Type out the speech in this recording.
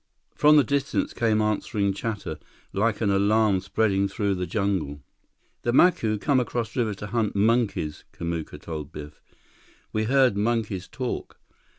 From the distance came answering chatter, like an alarm spreading through the jungle. "The Macu come across river to hunt monkeys," Kamuka told Biff. "We heard monkeys talk.